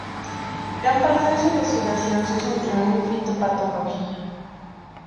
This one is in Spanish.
Gran parte de su investigación se centró en fitopatología.